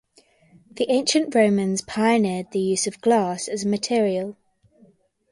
The Ancient Romans pioneered the use of glass as a material.